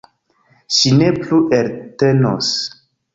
Ŝi ne plu eltenos.